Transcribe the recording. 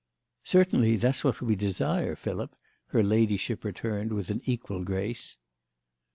"Certainly that's what we desire, Philip," her ladyship returned with an equal grace.